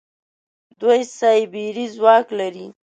دوی سايبري ځواک لري.